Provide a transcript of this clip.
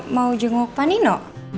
mau jenguk panino